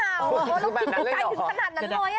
เราคิดแบบนั้นเลยหรอ